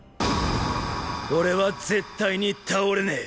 俺は絶対に倒れねェ！